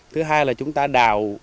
thứ hai là chúng ta đào